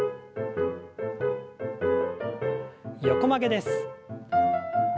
横曲げです。